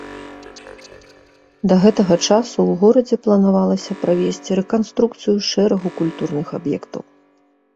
Да гэтага часу ў горадзе планавалася правесці рэканструкцыю шэрагу культурных аб'ектаў.